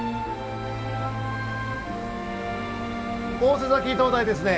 大瀬埼灯台ですね。